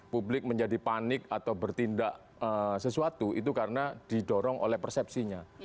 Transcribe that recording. publik menjadi panik atau bertindak sesuatu itu karena didorong oleh persepsinya